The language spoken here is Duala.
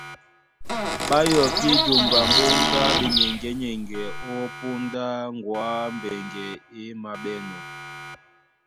Ɓá yɔkí jomba mboŋga a ɓeyɛŋgɛ́ŋgɛ́ ó póndá ŋgɔ̌ á mbɛŋgɛ é māɓɛ́nɔ̄.